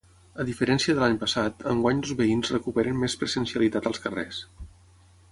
A diferència de l’any passat, enguany els veïns recuperen més presencialitat als carrers.